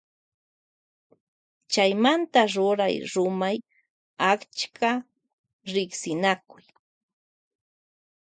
Chaymanta ruray rumay achka riksinakuy.